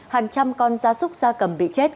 hàng trăm con da súc da cầm bị chết